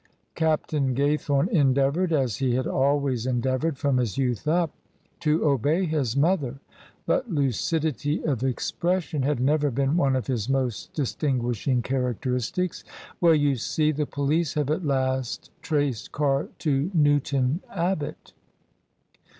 Captain Gaythome endeavoured — as he had always en deavoured from his youth up — to obey his mother, but lucidity of expression had never been one of his most dis tinguishing characteristics. "Well, you see, the police have at last traced Carr to Newton Abbot."